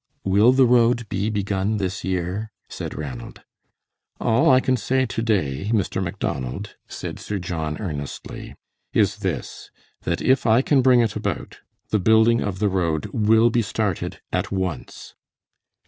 "Will the road be begun this year?" said Ranald. "All I can say to day, Mr. Macdonald," said Sir John, earnestly, "is this, that if I can bring it about, the building of the road will be started at once."